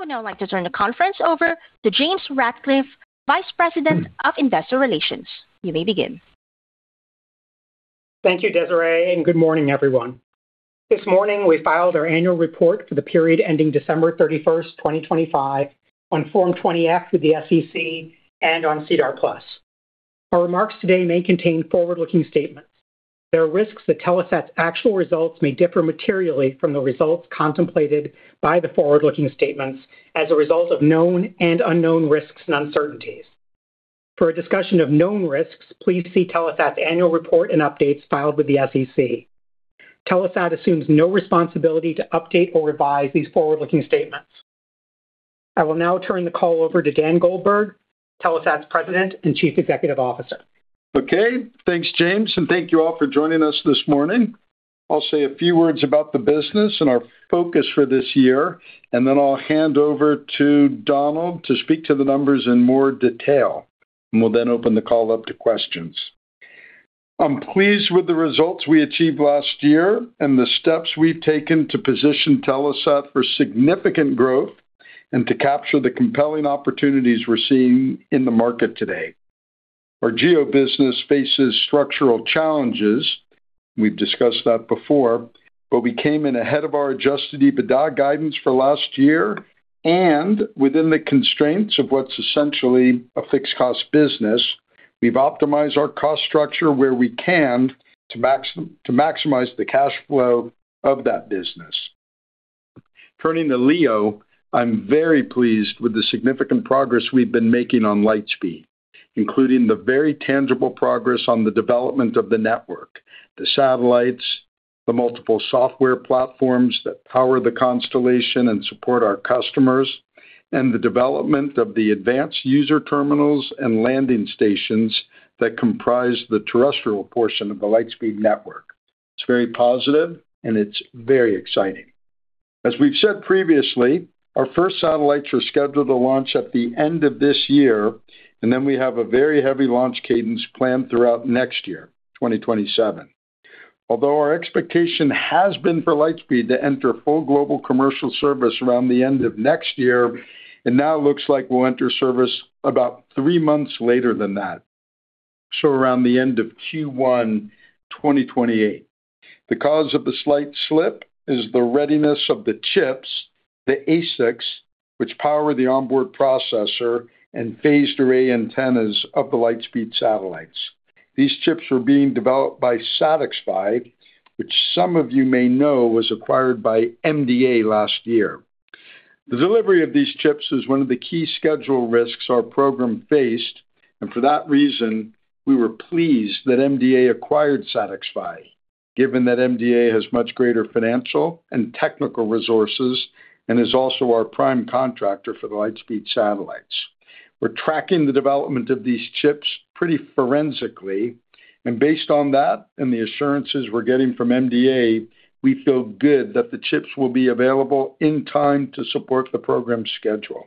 I would now like to turn the conference over to James Ratcliffe, Vice President of Investor Relations. You may begin. Thank you, Desiree, and good morning, everyone. This morning, we filed our Annual Report for the period ending 31st of December 2025 on Form 20-F with the SEC and on SEDAR+. Our remarks today may contain forward-looking statements. There are risks that Telesat's actual results may differ materially from the results contemplated by the forward-looking statements as a result of known and unknown risks and uncertainties. For a discussion of known risks, please see Telesat's annual report and updates filed with the SEC. Telesat assumes no responsibility to update or revise these forward-looking statements. I will now turn the call over to Dan Goldberg, Telesat's President and Chief Executive Officer. Okay. Thanks, James, and thank you all for joining us this morning. I'll say a few words about the business and our focus for this year, and then I'll hand over to Donald to speak to the numbers in more detail. We'll then open the call up to questions. I'm pleased with the results we achieved last year and the steps we've taken to position Telesat for significant growth and to capture the compelling opportunities we're seeing in the market today. Our GEO business faces structural challenges. We've discussed that before, but we came in ahead of our adjusted EBITDA guidance for last year and within the constraints of what's essentially a fixed cost business. We've optimized our cost structure where we can to maximize the cash flow of that business. Turning to LEO, I'm very pleased with the significant progress we've been making on Lightspeed, including the very tangible progress on the development of the network, the satellites, the multiple software platforms that power the constellation and support our customers, and the development of the advanced user terminals and landing stations that comprise the terrestrial portion of the Lightspeed network. It's very positive, and it's very exciting. As we've said previously, our first satellites are scheduled to launch at the end of this year, and then we have a very heavy launch cadence planned throughout next year, 2027. Although our expectation has been for Lightspeed to enter full global commercial service around the end of next year, it now looks like we'll enter service about three months later than that. Around the end of Q1, 2028. The cause of the slight slip is the readiness of the chips, the ASICs, which power the onboard processor and phased array antennas of the Lightspeed satellites. These chips were being developed by SatixFy, which some of you may know was acquired by MDA last year. The delivery of these chips is one of the key schedule risks our program faced. For that reason, we were pleased that MDA acquired SatixFy, given that MDA has much greater financial and technical resources and is also our prime contractor for the Lightspeed satellites. We're tracking the development of these chips pretty forensically, and based on that and the assurances we're getting from MDA, we feel good that the chips will be available in time to support the program schedule.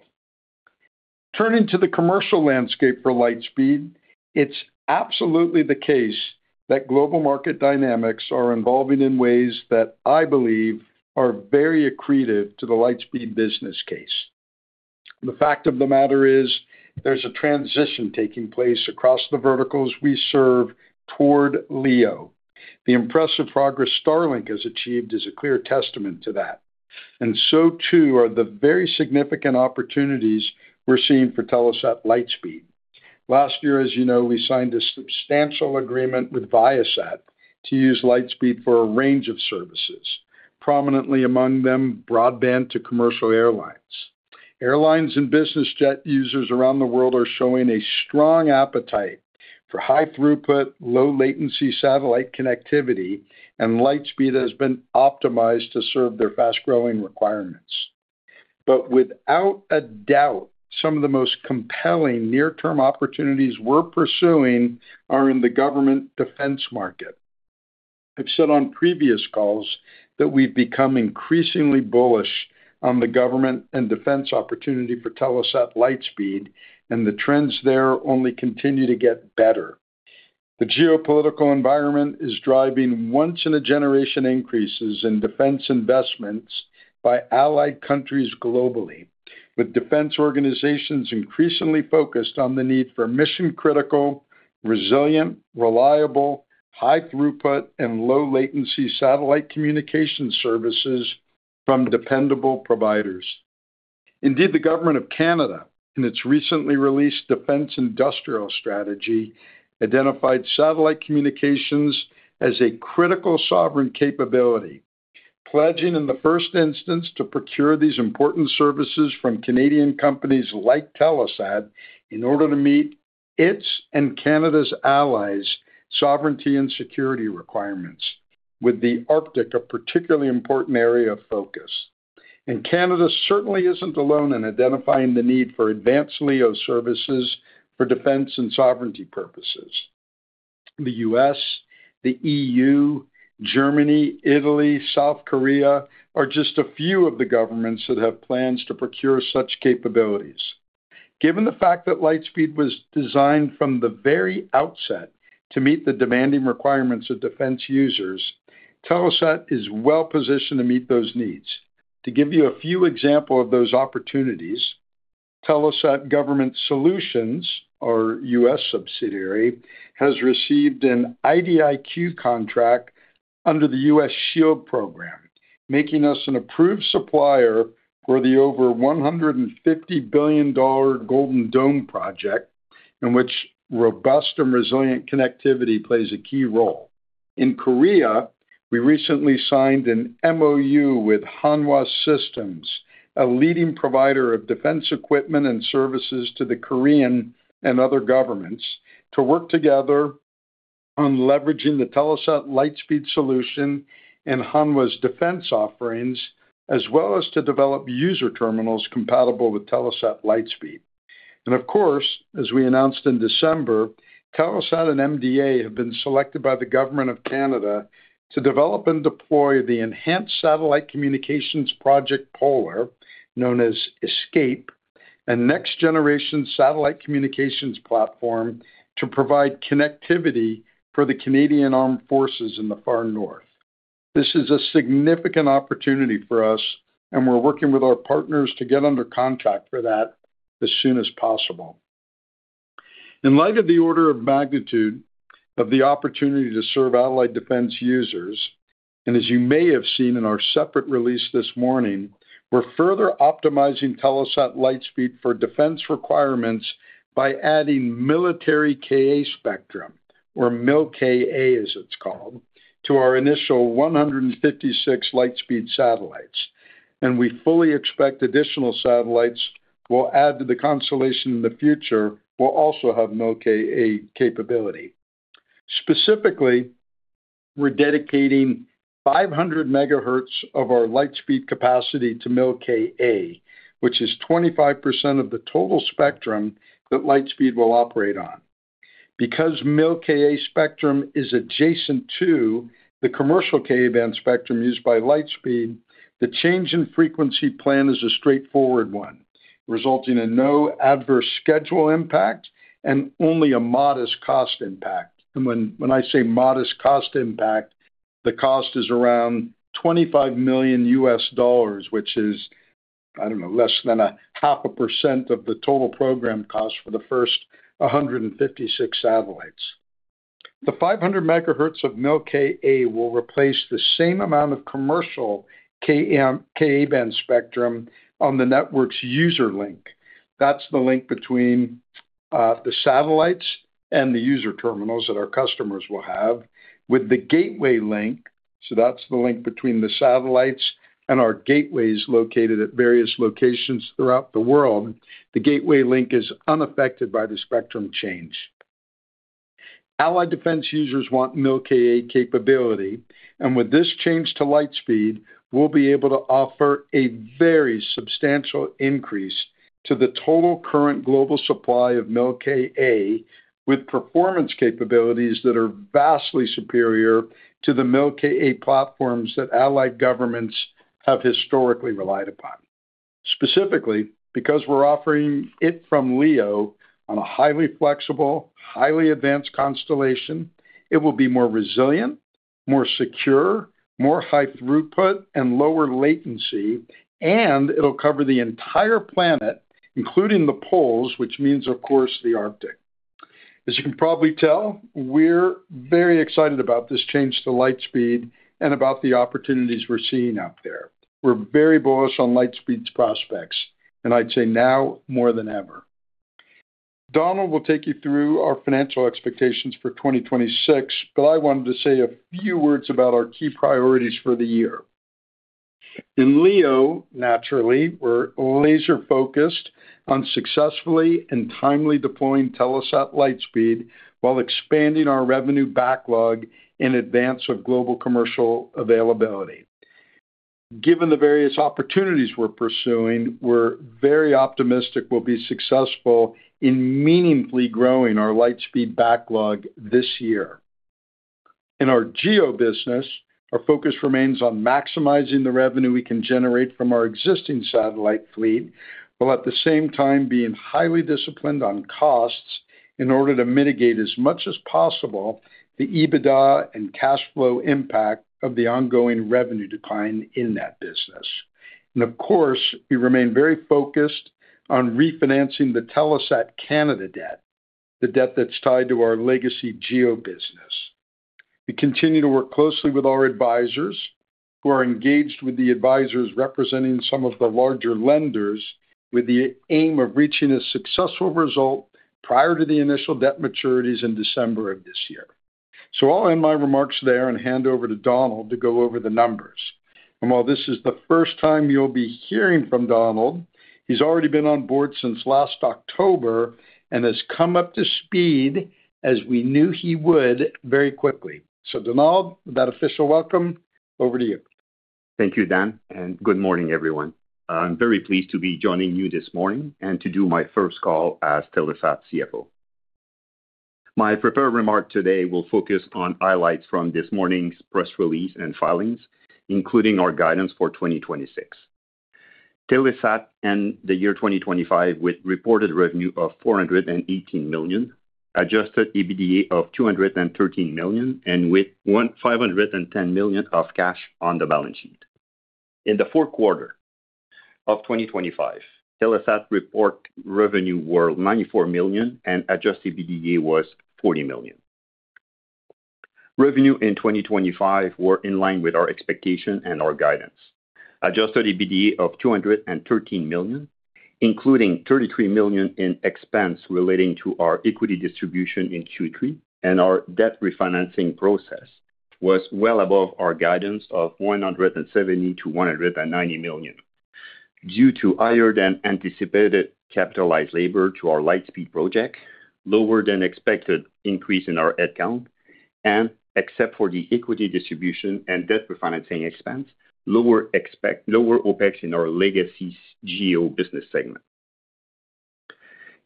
Turning to the commercial landscape for Lightspeed, it's absolutely the case that global market dynamics are evolving in ways that I believe are very accretive to the Lightspeed business case. The fact of the matter is there's a transition taking place across the verticals we serve toward LEO. The impressive progress Starlink has achieved is a clear testament to that, and so too are the very significant opportunities we're seeing for Telesat Lightspeed. Last year, as you know, we signed a substantial agreement with Viasat to use Lightspeed for a range of services, prominently among them, broadband to commercial airlines. Airlines and business jet users around the world are showing a strong appetite for high throughput, low latency satellite connectivity, and Lightspeed has been optimized to serve their fast-growing requirements. Without a doubt, some of the most compelling near-term opportunities we're pursuing are in the government defense market. I've said on previous calls that we've become increasingly bullish on the government and defense opportunity for Telesat Lightspeed, and the trends there only continue to get better. The geopolitical environment is driving once in a generation increases in defense investments by allied countries globally, with defense organizations increasingly focused on the need for mission-critical, resilient, reliable, high throughput, and low latency satellite communication services from dependable providers. Indeed, the government of Canada, in its recently released defense industrial strategy, identified satellite communications as a critical sovereign capability, pledging in the first instance to procure these important services from Canadian companies like Telesat in order to meet its and Canada's allies' sovereignty and security requirements with the Arctic a particularly important area of focus. Canada certainly isn't alone in identifying the need for advanced LEO services for defense and sovereignty purposes. The U.S., the EU, Germany, Italy, South Korea are just a few of the governments that have plans to procure such capabilities. Given the fact that Lightspeed was designed from the very outset to meet the demanding requirements of defense users, Telesat is well-positioned to meet those needs. To give you a few examples of those opportunities, Telesat Government Solutions, our U.S. subsidiary, has received an IDIQ contract under the U.S. SHIELD program, making us an approved supplier for the over $150 billion Golden Dome project, in which robust and resilient connectivity plays a key role. In Korea, we recently signed an MOU with Hanwha Systems, a leading provider of defense equipment and services to the Korean and other governments, to work together on leveraging the Telesat Lightspeed solution and Hanwha's defense offerings, as well as to develop user terminals compatible with Telesat Lightspeed. Of course, as we announced in December, Telesat and MDA have been selected by the government of Canada to develop and deploy ESCP-P, a next-generation satellite communications platform to provide connectivity for the Canadian Armed Forces in the far north. This is a significant opportunity for us, and we're working with our partners to get under contract for that as soon as possible. In light of the order of magnitude of the opportunity to serve allied defense users, and as you may have seen in our separate release this morning, we're further optimizing Telesat Lightspeed for defense requirements by adding military Ka spectrum, or Mil-Ka as it's called, to our initial 156 Lightspeed satellites. We fully expect additional satellites we'll add to the constellation in the future will also have Mil-Ka capability. Specifically, we're dedicating 500 MHz of our Lightspeed capacity to Mil-Ka, which is 25% of the total spectrum that Lightspeed will operate on. Because Mil-Ka spectrum is adjacent to the commercial Ka-band spectrum used by Lightspeed, the change in frequency plan is a straightforward one, resulting in no adverse schedule impact and only a modest cost impact. When I say modest cost impact, the cost is around $25 million, which is, I don't know, less than 0.5% of the total program cost for the first 156 satellites. The 500 MHz of Mil-Ka will replace the same amount of commercial Ka-band spectrum on the network's user link. That's the link between the satellites and the user terminals that our customers will have with the gateway link, so that's the link between the satellites and our gateways located at various locations throughout the world. The gateway link is unaffected by the spectrum change. Allied defense users want Mil-Ka capability, and with this change to Lightspeed, we'll be able to offer a very substantial increase to the total current global supply of Mil-Ka with performance capabilities that are vastly superior to the Mil-Ka platforms that Allied governments have historically relied upon. Specifically, because we're offering it from LEO on a highly flexible, highly advanced constellation, it will be more resilient, more secure, more high throughput, and lower latency, and it'll cover the entire planet, including the poles, which means, of course, the Arctic. As you can probably tell, we're very excited about this change to Lightspeed and about the opportunities we're seeing out there. We're very bullish on Lightspeed's prospects, and I'd say now more than ever. Donald will take you through our financial expectations for 2026, but I wanted to say a few words about our key priorities for the year. In LEO, naturally, we're laser-focused on successfully and timely deploying Telesat Lightspeed while expanding our revenue backlog in advance of global commercial availability. Given the various opportunities we're pursuing, we're very optimistic we'll be successful in meaningfully growing our Lightspeed backlog this year. In our GEO business, our focus remains on maximizing the revenue we can generate from our existing satellite fleet, while at the same time being highly disciplined on costs in order to mitigate as much as possible the EBITDA and cash flow impact of the ongoing revenue decline in that business. Of course, we remain very focused on refinancing the Telesat Canada debt, the debt that's tied to our legacy GEO business. We continue to work closely with our advisors who are engaged with the advisors representing some of the larger lenders with the aim of reaching a successful result prior to the initial debt maturities in December of this year. I'll end my remarks there and hand over to Donald to go over the numbers. While this is the first time you'll be hearing from Donald, he's already been on board since last October and has come up to speed, as we knew he would, very quickly. Donald, with that official welcome, over to you. Thank you, Dan, and good morning, everyone. I'm very pleased to be joining you this morning and to do my first call as Telesat CFO. My prepared remark today will focus on highlights from this morning's press release and filings, including our guidance for 2026. Telesat ended the year 2025 with reported revenue of 418 million, adjusted EBITDA of 213 million, and with 150 million of cash on the balance sheet. In the fourth quarter of 2025, Telesat reported revenue was 94 million and adjusted EBITDA was 40 million. Revenue in 2025 was in line with our expectation and our guidance. Adjusted EBITDA of 213 million, including 33 million in expense relating to our equity distribution in Q3 and our debt refinancing process, was well above our guidance of 170 million-190 million. Due to higher than anticipated capitalized labor to our Lightspeed project, lower than expected increase in our head count, and except for the equity distribution and debt refinancing expense, lower OpEx in our legacy GEO business segment.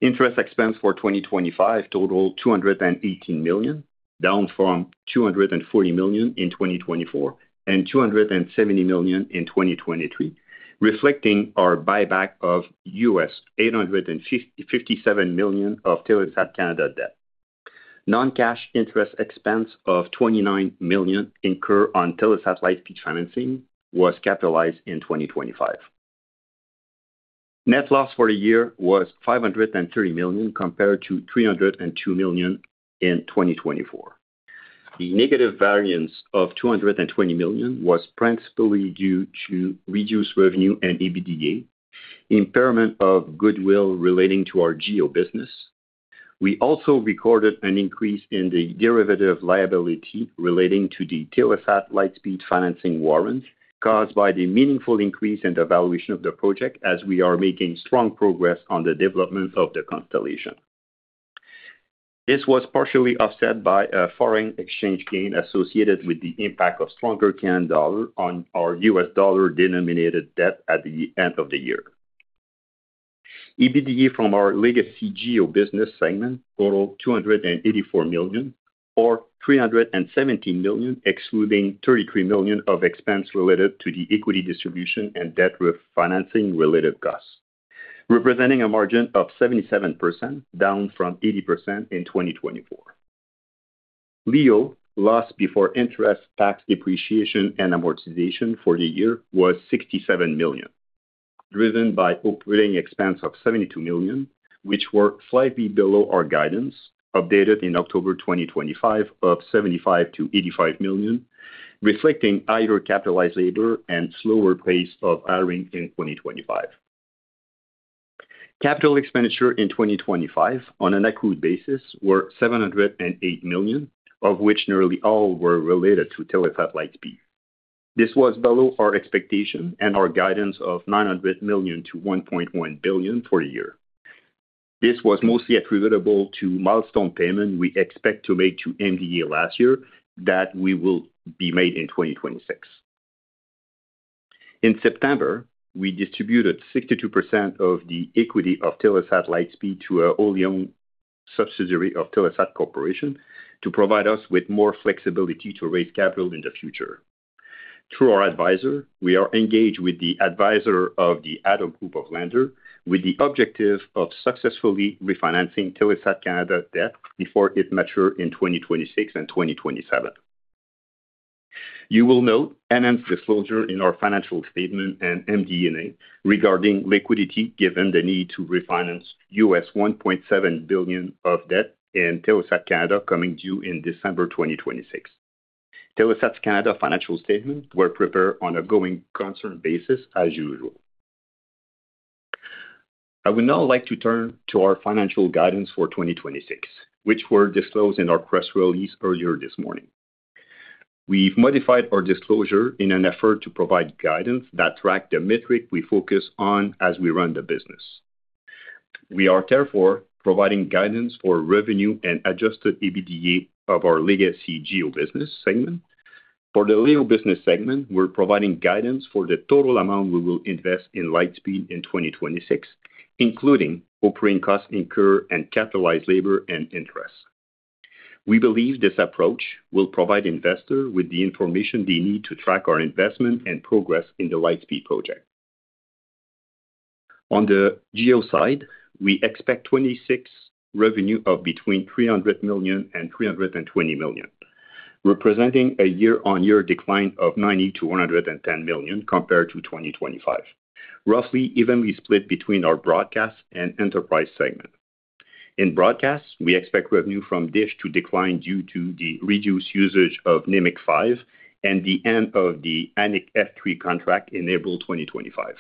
Interest expense for 2025 totaled 218 million, down from 240 million in 2024, and 270 million in 2023, reflecting our buyback of $857 million of Telesat Canada debt. Non-cash interest expense of 29 million incurred on Telesat Lightspeed financing was capitalized in 2025. Net loss for the year was 530 million compared to 302 million in 2024. The negative variance of 220 million was principally due to reduced revenue and EBITDA, impairment of goodwill relating to our GEO business. We also recorded an increase in the derivative liability relating to the Telesat Lightspeed financing warrant caused by the meaningful increase in the valuation of the project as we are making strong progress on the development of the constellation. This was partially offset by a foreign exchange gain associated with the impact of stronger Canadian dollar on our U.S. dollar-denominated debt at the end of the year. EBITDA from our legacy GEO business segment totaled 284 million or 317 million, excluding 33 million of expense related to the equity distribution and debt refinancing-related costs, representing a margin of 77%, down from 80% in 2024. LEO loss before interest, tax, depreciation, and amortization for the year was 67 million, driven by operating expense of 72 million, which were slightly below our guidance, updated in October 2025 of 75 million-85 million, reflecting higher capitalized labor and slower pace of hiring in 2025. Capital expenditure in 2025 on an accrued basis were 708 million, of which nearly all were related to Telesat Lightspeed. This was below our expectation and our guidance of 900 million-1.1 billion for the year. This was mostly attributable to milestone payment we expect to make to MDA last year that will be made in 2026. In September, we distributed 62% of the equity of Telesat Lightspeed to our wholly-owned subsidiary of Telesat Corporation to provide us with more flexibility to raise capital in the future. Through our advisor, we are engaged with the advisor of the ad hoc group of lenders with the objective of successfully refinancing Telesat Canada debt before it matures in 2026 and 2027. You will note enhanced disclosure in our financial statements and MD&A regarding liquidity given the need to refinance $1.7 billion of debt in Telesat Canada coming due in December 2026. Telesat Canada financial statements were prepared on a going concern basis as usual. I would now like to turn to our financial guidance for 2026, which were disclosed in our press release earlier this morning. We've modified our disclosure in an effort to provide guidance that track the metric we focus on as we run the business. We are therefore providing guidance for revenue and adjusted EBITDA of our legacy GEO business segment. For the LEO business segment, we're providing guidance for the total amount we will invest in Lightspeed in 2026, including operating costs incurred and capitalized labor and interest. We believe this approach will provide investor with the information they need to track our investment and progress in the Lightspeed project. On the GEO side, we expect 2026 revenue of between 300 million and 320 million, representing a year-on-year decline of 90 million-110 million compared to 2025, roughly evenly split between our broadcast and enterprise segment. In broadcast, we expect revenue from DISH to decline due to the reduced usage of Nimiq 5 and the end of the Anik F3 contract in April 2025.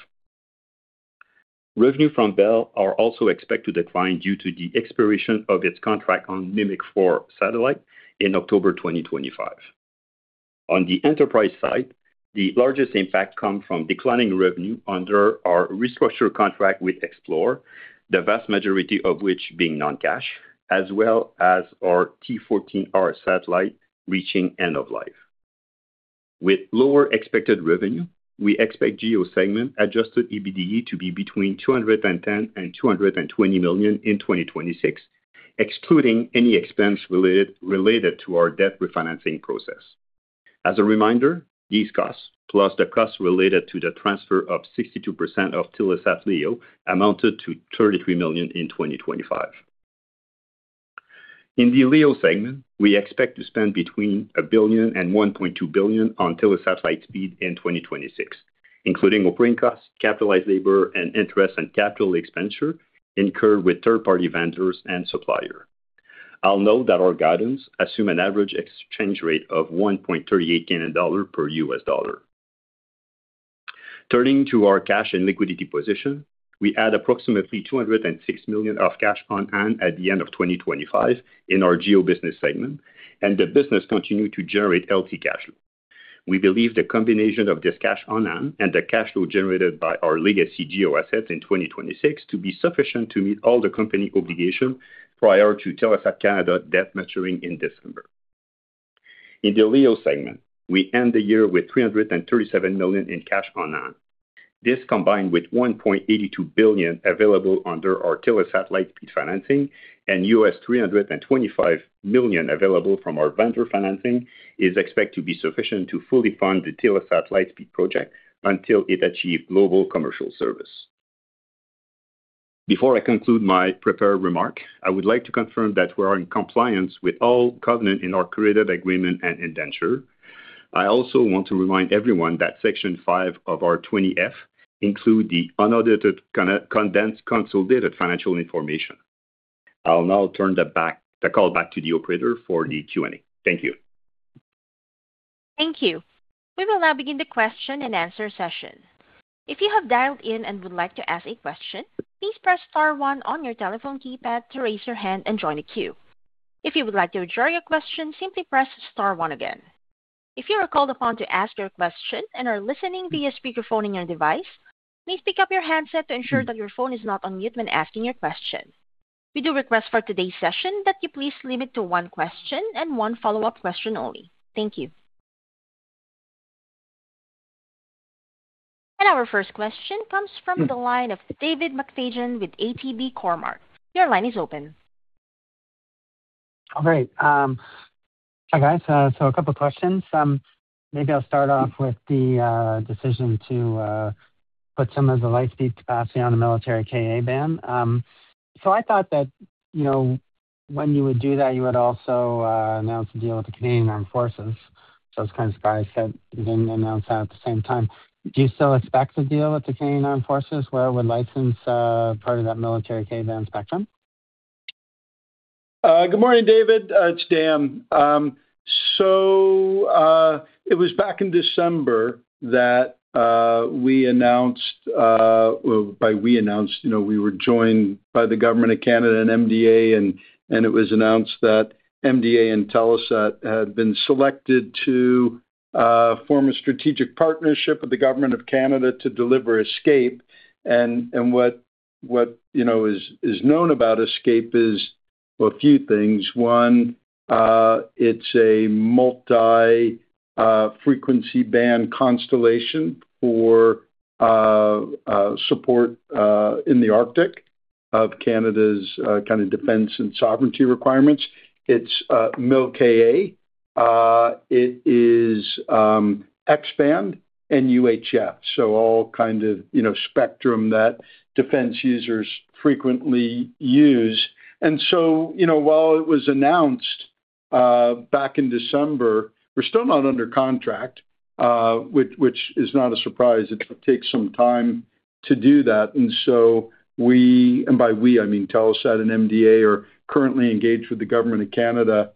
Revenue from Bell are also expected to decline due to the expiration of its contract on Nimiq 4 satellite in October 2025. On the enterprise side, the largest impact come from declining revenue under our restructure contract with Xplore, the vast majority of which being non-cash, as well as our Telstar 14R satellite reaching end of life. With lower expected revenue, we expect GEO segment adjusted EBITDA to be between 210 million and 220 million in 2026, excluding any expense related to our debt refinancing process. As a reminder, these costs, plus the costs related to the transfer of 62% of Telesat LEO, amounted to 33 million in 2025. In the LEO segment, we expect to spend between 1 billion and 1.2 billion on Telesat Lightspeed in 2026, including operating costs, capitalized labor, and interest and capital expenditure incurred with third-party vendors and supplier. I'll note that our guidance assume an average exchange rate of 1.38 Canadian dollar per U.S. dollar. Turning to our cash and liquidity position, we had approximately 206 million of cash on hand at the end of 2025 in our GEO business segment, and the business continued to generate healthy cash flow. We believe the combination of this cash on hand and the cash flow generated by our legacy GEO assets in 2026 to be sufficient to meet all the company obligations prior to Telesat Canada debt maturing in December. In the LEO segment, we end the year with 337 million in cash on hand. This, combined with 1.82 billion available under our Telesat Lightspeed financing and $325 million available from our vendor financing, is expected to be sufficient to fully fund the Telesat Lightspeed project until it achieve global commercial service. Before I conclude my prepared remark, I would like to confirm that we are in compliance with all covenants in our credit agreement and indenture. I also want to remind everyone that Section 5 of our 20-F includes the unaudited condensed consolidated financial information. I'll now turn the call back to the operator for the Q&A. Thank you. Thank you. We will now begin the Q&A session. If you have dialed in and would like to ask a question, please press star one on your telephone keypad to raise your hand and join the queue. If you would like to withdraw your question, simply press star one again. If you are called upon to ask your question and are listening via speakerphone in your device, please pick up your handset to ensure that your phone is not on mute when asking your question. We do request for today's session that you please limit to one question and one follow-up question only. Thank you. Our first question comes from the line of David McFadgen with Cormark Securities. Your line is open. All right. Hi, guys. A couple questions. Maybe I'll start off with the decision to put some of the Lightspeed capacity on the military Ka-band. I thought that, you know, when you would do that, you would also announce the deal with the Canadian Armed Forces. I was kind of surprised that you didn't announce that at the same time. Do you still expect a deal with the Canadian Armed Forces, where you would license part of that military Ka-band spectrum? Good morning, David. It's Dan. So, it was back in December that we announced, you know, we were joined by the government of Canada and MDA, and it was announced that MDA and Telesat had been selected to form a strategic partnership with the government of Canada to deliver ESCP-P. What, you know, is known about ESCP-P is a few things. One, it's a multi-frequency band constellation for support in the Arctic of Canada's kind of defense and sovereignty requirements. It's Mil-Ka. It is X-band and UHF, so all kind of, you know, spectrum that defense users frequently use. You know, while it was announced back in December, we're still not under contract, which is not a surprise. It takes some time to do that. We, and by we, I mean, Telesat and MDA are currently engaged with the government of Canada,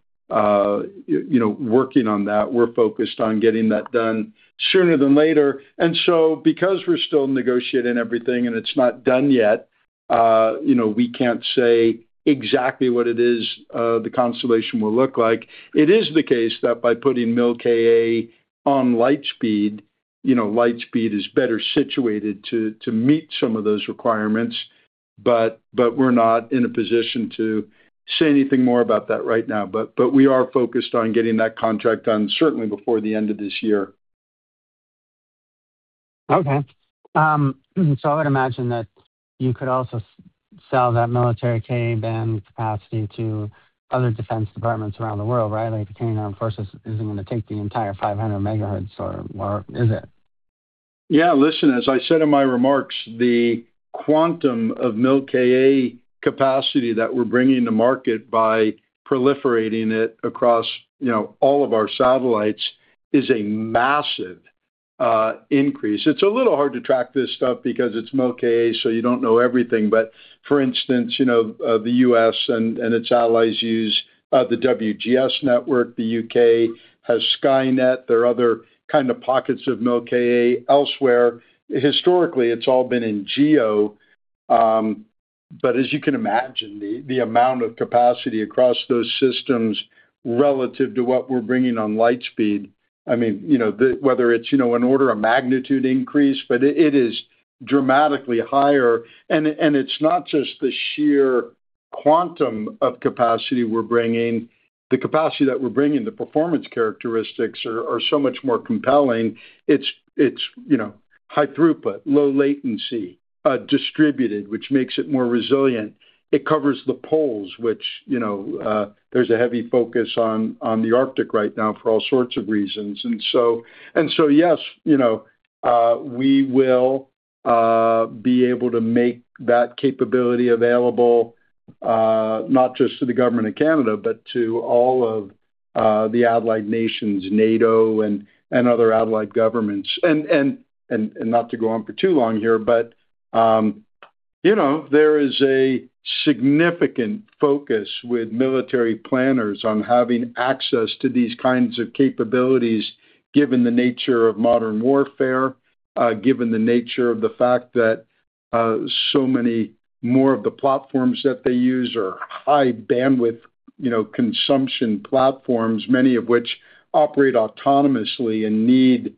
you know, working on that. We're focused on getting that done sooner than later. Because we're still negotiating everything and it's not done yet, you know, we can't say exactly what it is, the constellation will look like. It is the case that by putting Mil-Ka on Lightspeed, you know, Lightspeed is better situated to meet some of those requirements. We're not in a position to say anything more about that right now. We are focused on getting that contract done certainly before the end of this year. Okay. I would imagine that you could also sell that military Ka-band capacity to other defense departments around the world, right? Like the Canadian Armed Forces isn't gonna take the entire 500 MHz or is it? Yeah. Listen, as I said in my remarks, the quantum of Mil-Ka capacity that we're bringing to market by proliferating it across, you know, all of our satellites is a massive increase. It's a little hard to track this stuff because it's Mil-Ka, so you don't know everything. But for instance, you know, the U.S. and its allies use the WGS network. The U.K. has Skynet. There are other kind of pockets of Mil-Ka elsewhere. Historically, it's all been in GEO. But as you can imagine, the amount of capacity across those systems relative to what we're bringing on Lightspeed, I mean, you know, whether it's an order of magnitude increase, but it is dramatically higher. And it's not just the sheer quantum of capacity we're bringing. The capacity that we're bringing, the performance characteristics are so much more compelling. It's, you know, high throughput, low latency, distributed, which makes it more resilient. It covers the poles, which, you know, there's a heavy focus on the Arctic right now for all sorts of reasons. Yes, you know, we will be able to make that capability available, not just to the government of Canada, but to all of the allied nations, NATO and other allied governments. Not to go on for too long here, but you know, there is a significant focus with military planners on having access to these kinds of capabilities given the nature of modern warfare, given the nature of the fact that so many more of the platforms that they use are high bandwidth, you know, consumption platforms, many of which operate autonomously and need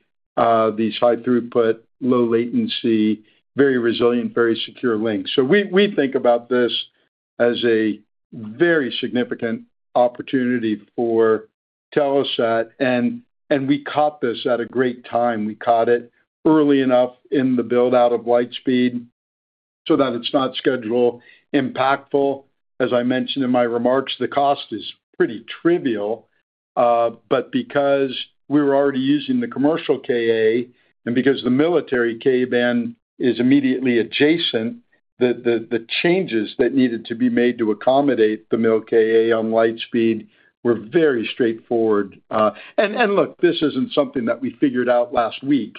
these high throughput, low latency, very resilient, very secure links. We think about this as a very significant opportunity for Telesat and we caught this at a great time. We caught it early enough in the build-out of Lightspeed so that it's not schedule impactful. As I mentioned in my remarks, the cost is pretty trivial, but because we were already using the commercial Ka and because the military Ka-band is immediately adjacent, the changes that needed to be made to accommodate the Mil-Ka on Lightspeed were very straightforward. Look, this isn't something that we figured out last week.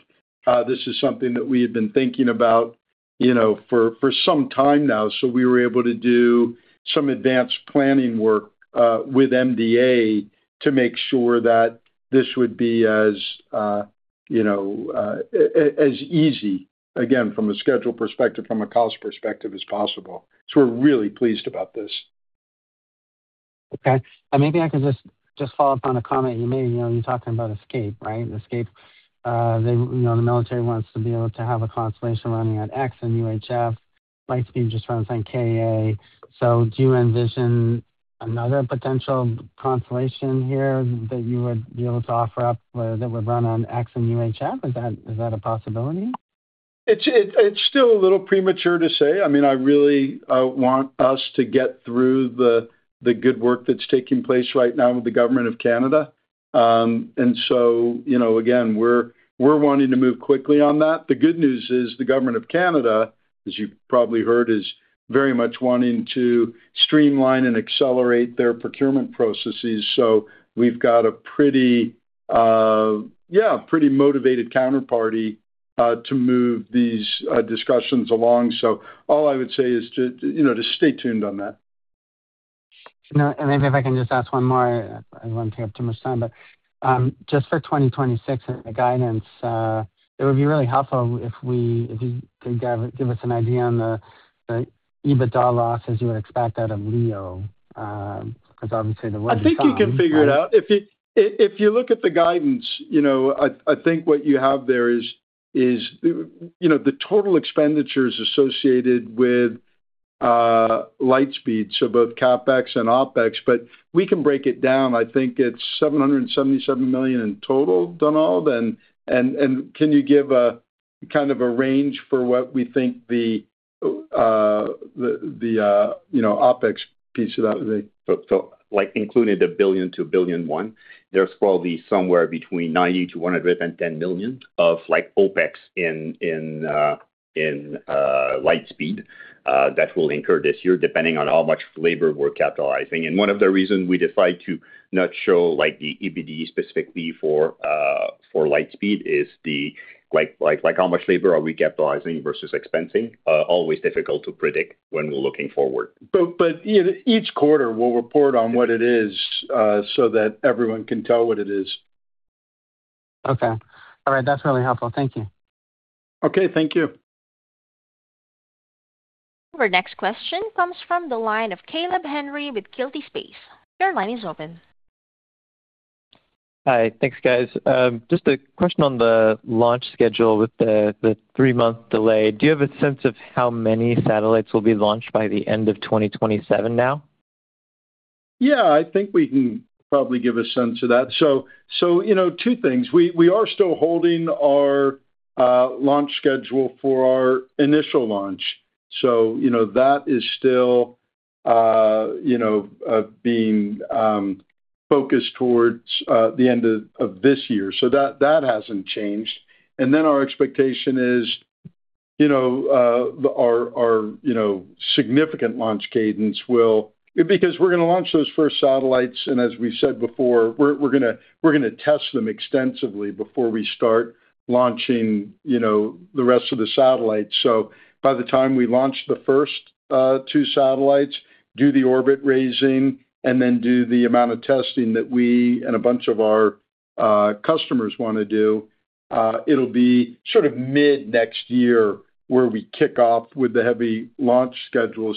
This is something that we had been thinking about, you know, for some time now. We were able to do some advanced planning work with MDA to make sure that this would be as, you know, as easy, again, from a schedule perspective, from a cost perspective, as possible. We're really pleased about this. Okay. Maybe I could just follow up on a comment you made. You know, you talked about ESCP-P, right? ESCP-P. You know, the military wants to be able to have a constellation running at X-band and UHF. Lightspeed just runs on Ka-band. Do you envision another potential constellation here that you would be able to offer up that would run on X-band and UHF? Is that a possibility? It's still a little premature to say. I mean, I really want us to get through the good work that's taking place right now with the Government of Canada. You know, again, we're wanting to move quickly on that. The good news is the Government of Canada, as you've probably heard, is very much wanting to streamline and accelerate their procurement processes. We've got a pretty motivated counterparty to move these discussions along. All I would say is to you know, just stay tuned on that. Maybe if I can just ask one more. I don't want to take up too much time. Just for 2026 in the guidance, it would be really helpful if you could give us an idea on the EBITDA loss as you would expect out of LEO. 'Cause obviously the way- I think you can figure it out. If you look at the guidance, you know, I think what you have there is, you know, the total expenditures associated with Lightspeed, so both CapEx and OpEx. If we can break it down, I think it's 777 million in total, Donald. Can you give a kind of a range for what we think the OpEx piece of that would be? Like, including the 1 billion-1.1 billion, there's probably somewhere between 90 million-110 million of, like, OpEx in Lightspeed that will incur this year, depending on how much labor we're capitalizing. One of the reasons we decide to not show, like, the EBITDA specifically for Lightspeed is the, like, how much labor are we capitalizing versus expensing. Always difficult to predict when we're looking forward. Each quarter we'll report on what it is, so that everyone can tell what it is. Okay. All right. That's really helpful. Thank you. Okay. Thank you. Our next question comes from the line of Caleb Henry with Quilty Space. Your line is open. Hi. Thanks, guys. Just a question on the launch schedule with the three-month delay. Do you have a sense of how many satellites will be launched by the end of 2027 now? Yeah, I think we can probably give a sense of that. You know, two things. We are still holding our launch schedule for our initial launch. You know, that is still being focused towards the end of this year. That hasn't changed. Our expectation is, you know, our significant launch cadence will, because we're gonna launch those first satellites, and as we said before, we're gonna test them extensively before we start launching, you know, the rest of the satellites. By the time we launch the first 2 satellites, do the orbit raising, and then do the amount of testing that we and a bunch of our customers wanna do, it'll be sort of mid-next year where we kick off with the heavy launch schedule.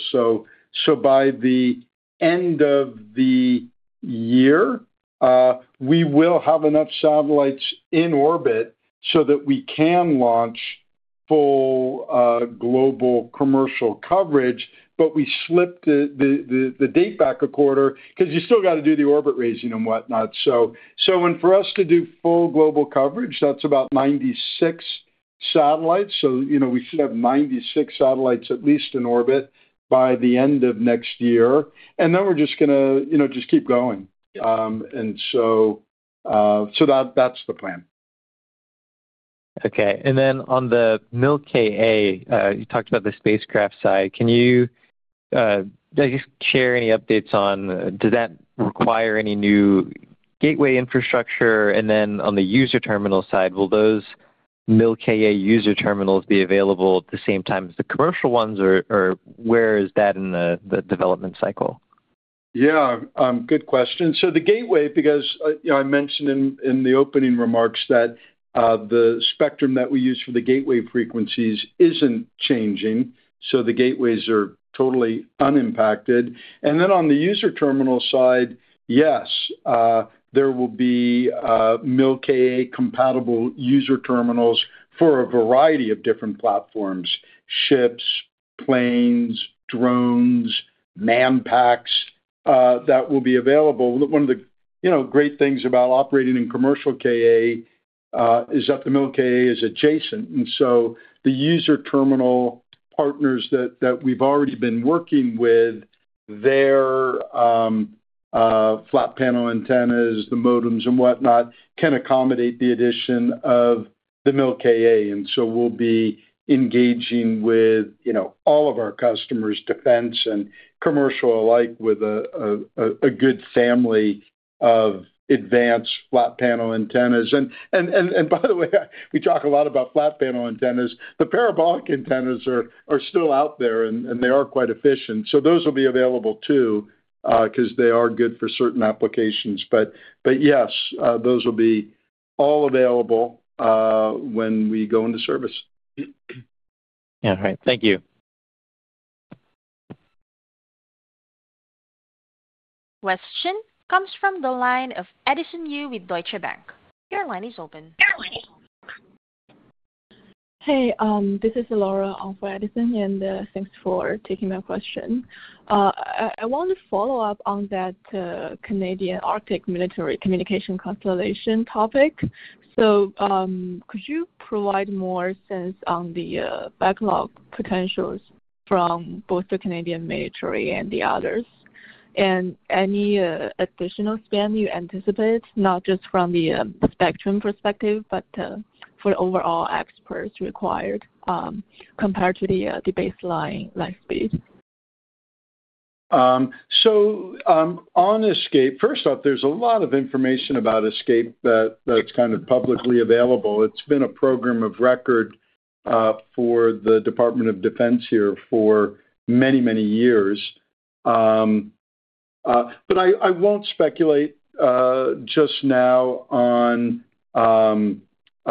By the end of the year, we will have enough satellites in orbit so that we can launch full global commercial coverage, but we slipped the date back a quarter because you still got to do the orbit raising and whatnot. When, for us, to do full global coverage, that's about 96 satellites. You know, we should have 96 satellites at least in orbit by the end of next year. Then we're just gonna, you know, just keep going. That's the plan. Okay. On the Mil-Ka, you talked about the spacecraft side. Can you just share any updates on does that require any new gateway infrastructure? On the user terminal side, will those Mil-Ka user terminals be available at the same time as the commercial ones or where is that in the development cycle? Yeah. Good question. The gateway, because I, you know, I mentioned in the opening remarks that the spectrum that we use for the gateway frequencies isn't changing, so the gateways are totally unimpacted. On the user terminal side, yes, there will be Mil-Ka compatible user terminals for a variety of different platforms, ships, planes, drones, manpacks, that will be available. One of the, you know, great things about operating in commercial Ka is that the Mil-Ka is adjacent. The user terminal partners that we've already been working with their flat panel antennas, the modems and whatnot, can accommodate the addition of the Mil-Ka. We'll be engaging with, you know, all of our customers, defense and commercial alike, with a good family of advanced flat panel antennas. By the way, we talk a lot about flat panel antennas. The parabolic antennas are still out there, and they are quite efficient. Those will be available too, because they are good for certain applications. Yes, those will be all available when we go into service. Yeah, all right. Thank you. Question comes from the line of Edison Yu with Deutsche Bank. Your line is open. Hey, this is Laura on for Edison, and thanks for taking my question. I want to follow up on that Canadian Arctic military communication constellation topic. Could you provide more sense on the backlog potentials from both the Canadian military and the others? And any additional spend you anticipate, not just from the spectrum perspective, but for overall OpEx required, compared to the baseline Lightspeed? On ESCP-P, first off, there's a lot of information about ESCP-P that's kind of publicly available. It's been a program of record for the Department of Defense here for many years. I won't speculate just now on, you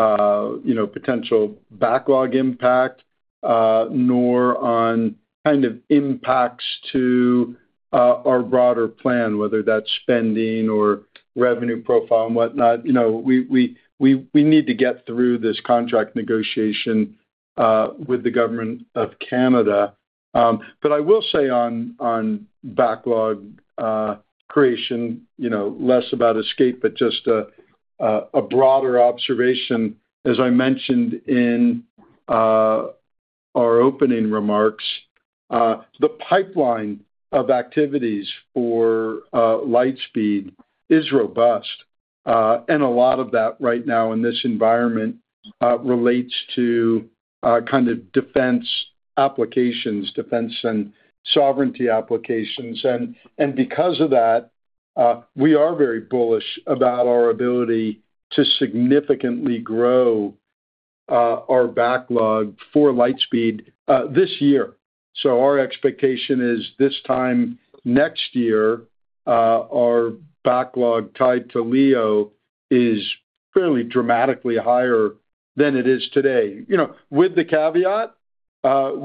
know, potential backlog impact, nor on kind of impacts to our broader plan, whether that's spending or revenue profile and whatnot. You know, we need to get through this contract negotiation with the government of Canada. I will say on backlog creation, you know, less about ESCP-P, but just a broader observation, as I mentioned in our opening remarks, the pipeline of activities for lightspeed is robust. A lot of that right now in this environment relates to kind of defense applications, defense and sovereignty applications. Because of that, we are very bullish about our ability to significantly grow our backlog for Lightspeed this year. Our expectation is this time next year our backlog tied to LEO is fairly dramatically higher than it is today. You know, with the caveat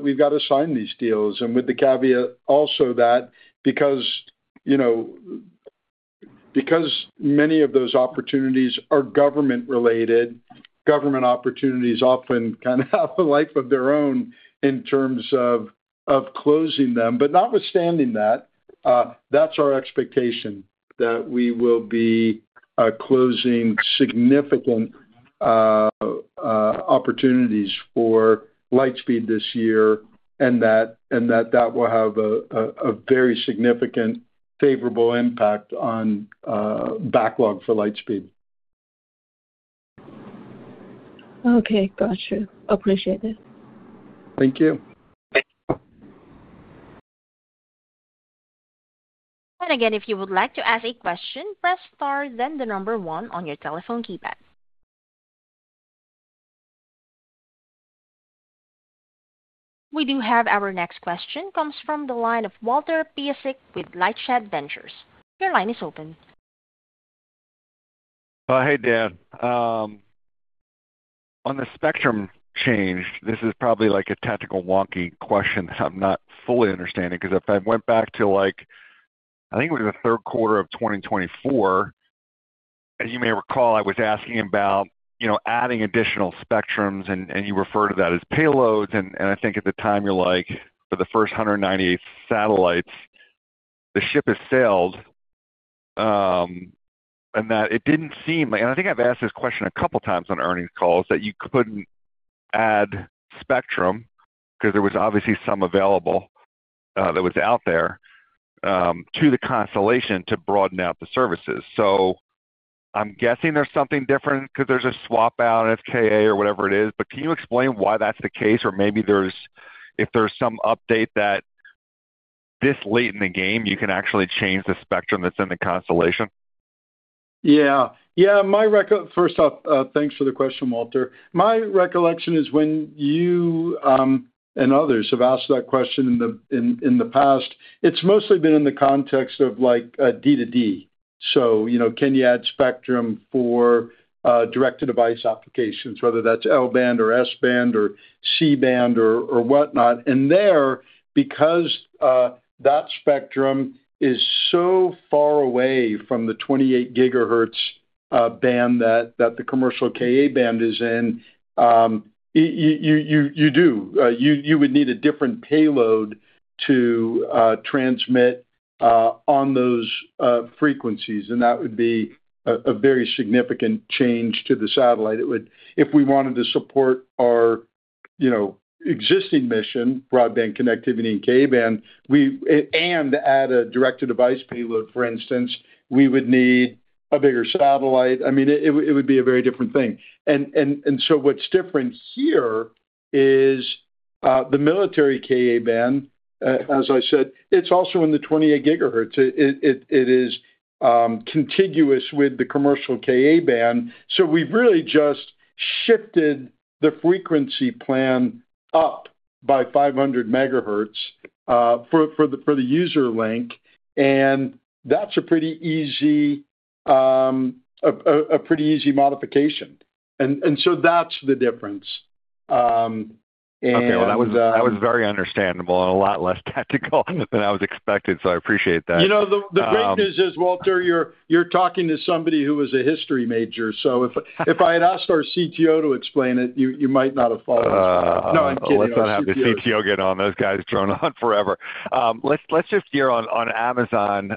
we've got to sign these deals. With the caveat also that because you know many of those opportunities are government related, government opportunities often kind of have a life of their own in terms of closing them. Notwithstanding that's our expectation that we will be closing significant opportunities for Lightspeed this year, and that will have a very significant favorable impact on backlog for Lightspeed. Okay. Got you. Appreciate it. Thank you. Again, if you would like to ask a question, press star then the number one on your telephone keypad. We do have our next question comes from the line of Walter Piecyk with LightShed Partners. Your line is open. Hey, Dan. On the spectrum change, this is probably like a tactical wonky question I'm not fully understanding, because if I went back to like I think it was the Q3 of 2024. As you may recall, I was asking about, you know, adding additional spectrums, and you refer to that as payloads. I think at the time you're like, for the first 198 satellites, the ship has sailed, and that it didn't seem. I think I've asked this question a couple times on earnings calls that you couldn't add spectrum, 'cause there was obviously some available, that was out there, to the constellation to broaden out the services. I'm guessing there's something different because there's a swap out of KA or whatever it is. Can you explain why that's the case? If there's some update that this late in the game, you can actually change the spectrum that's in the constellation. Yeah. Yeah, my recollection. First off, thanks for the question, Walter. My recollection is when you and others have asked that question in the past, it's mostly been in the context of like D2D. You know, can you add spectrum for direct-to-device applications, whether that's L-band or S-band or C-band or whatnot. There, because that spectrum is so far away from the 28 gigahertz band that the commercial Ka-band is in, you would need a different payload to transmit on those frequencies, and that would be a very significant change to the satellite. If we wanted to support our, you know, existing mission, broadband connectivity in Ka-band, and add a direct-to-device payload, for instance, we would need a bigger satellite. I mean, it would be a very different thing. What's different here is the military Ka-band, as I said. It's also in the 28 gigahertz. It is contiguous with the commercial Ka-band. We've really just shifted the frequency plan up by 500 megahertz for the user link, and that's a pretty easy modification. That's the difference, and Okay. Well, that was very understandable and a lot less technical than I was expecting, so I appreciate that. You know, the great news is, Walter, you're talking to somebody who was a history major. If I had asked our CTO to explain it, you might not have followed. No, I'm kidding. Oh, let's not have the CTO get on. Those guys drone on forever. Let's just steer on Amazon.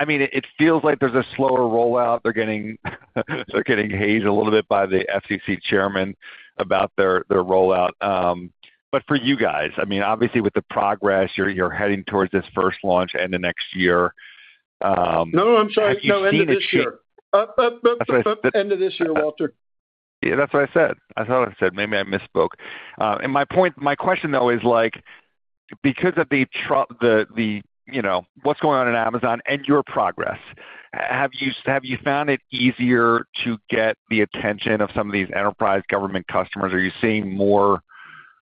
I mean, it feels like there's a slower rollout. They're getting hazed a little bit by the FCC chairman about their rollout. For you guys, I mean, obviously with the progress, you're heading towards this first launch end of next year. No, I'm sorry. No, end of this year. Have you seen it shift? Up, end of this year, Walter. Yeah, that's what I said. I thought I said. Maybe I misspoke. My question, though, is like, because of the, you know, what's going on in Amazon and your progress, have you found it easier to get the attention of some of these enterprise government customers? Are you seeing more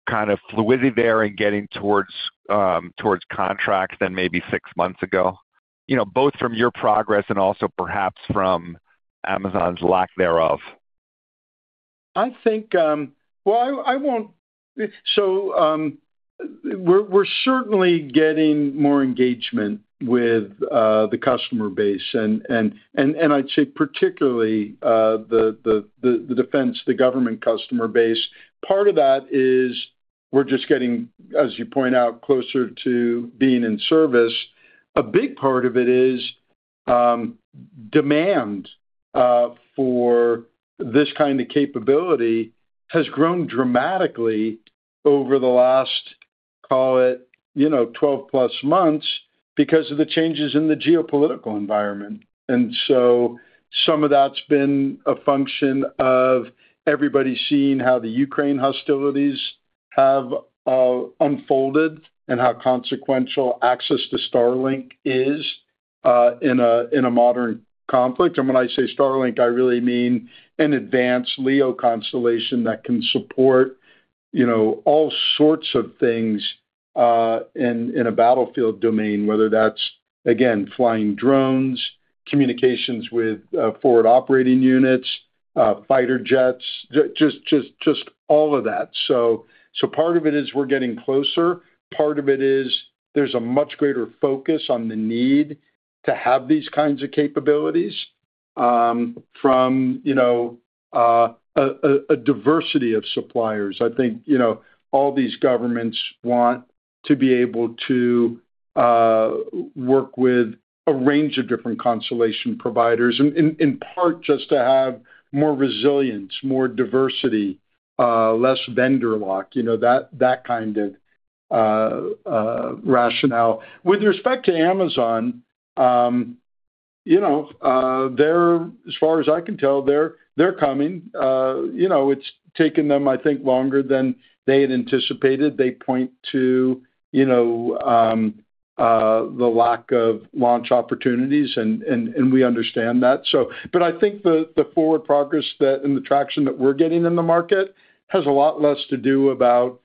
kind of fluidity there in getting towards contracts than maybe six months ago? You know, both from your progress and also perhaps from Amazon's lack thereof. I think we're certainly getting more engagement with the customer base and I'd say particularly the defense, the government customer base. Part of that is we're just getting, as you point out, closer to being in service. A big part of it is demand for this kind of capability has grown dramatically over the last, call it, you know, 12+ months because of the changes in the geopolitical environment. Some of that's been a function of everybody seeing how the Ukraine hostilities have unfolded and how consequential access to Starlink is in a modern conflict. When I say Starlink, I really mean an advanced LEO constellation that can support, you know, all sorts of things in a battlefield domain, whether that's, again, flying drones, communications with forward operating units, fighter jets, just all of that. Part of it is we're getting closer. Part of it is there's a much greater focus on the need to have these kinds of capabilities from, you know, a diversity of suppliers. I think, you know, all these governments want to be able to work with a range of different constellation providers in part, just to have more resilience, more diversity, less vendor lock, you know, that kind of rationale. With respect to Amazon, you know, as far as I can tell, they're coming. You know, it's taken them, I think, longer than they had anticipated. They point to, you know, the lack of launch opportunities, and we understand that. I think the forward progress that and the traction that we're getting in the market has a lot less to do about,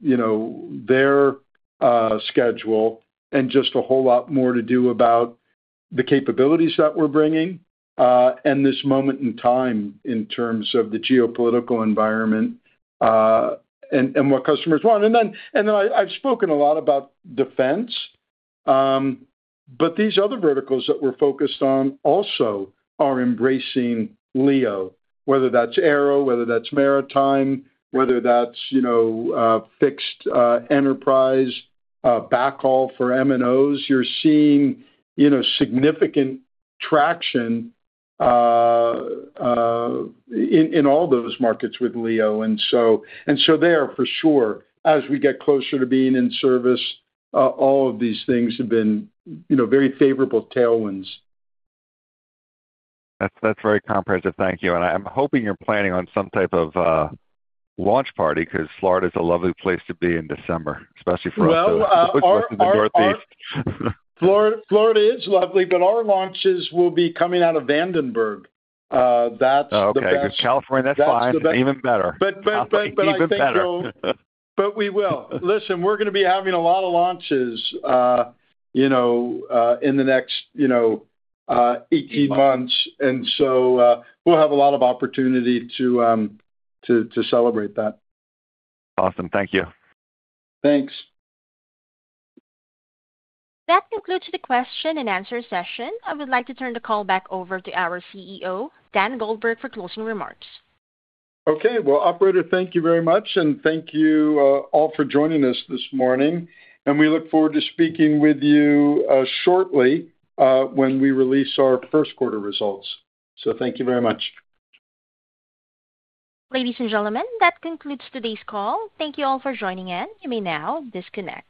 you know, their schedule and just a whole lot more to do about the capabilities that we're bringing, and this moment in time in terms of the geopolitical environment, and what customers want. I've spoken a lot about defense, but these other verticals that we're focused on also are embracing LEO, whether that's aero, whether that's maritime, whether that's, you know, fixed enterprise backhaul for MNOs. You're seeing, you know, significant traction in all those markets with LEO. They are for sure, as we get closer to being in service, all of these things have been, you know, very favorable tailwinds. That's very comprehensive. Thank you. I'm hoping you're planning on some type of launch party because Florida is a lovely place to be in December, especially for us. Well, our Florida. Florida is lovely, but our launches will be coming out of Vandenberg. That's the best. Oh, okay. California, that's fine. Even better. I think you'll. Even better. We will. Listen, we're gonna be having a lot of launches, you know, in the next, you know, 18 months. We'll have a lot of opportunity to celebrate that. Awesome. Thank you. Thanks. That concludes the Q&A session. I would like to turn the call back over to our CEO, Dan Goldberg, for closing remarks. Okay. Well, operator, thank you very much, and thank you, all for joining us this morning. We look forward to speaking with you, shortly, when we release our Q1 results. Thank you very much. Ladies and gentlemen, that concludes today's call. Thank you all for joining in. You may now disconnect.